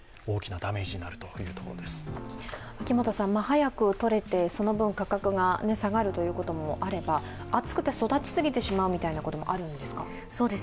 早く取れてその分価格が下がるということもあれば暑くて育ちすぎてしまうみたいなこともあるんですか。